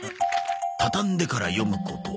「たたんでから読むこと」